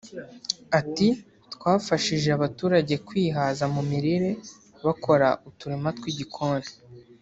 Ati” Twafashije abaturage kwihaza mu mirire bakora uturima tw’igikoni